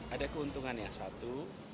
ada keuntungan ya satu